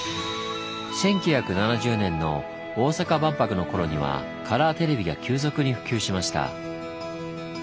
１９７０年の大阪万博の頃にはカラーテレビが急速に普及しました。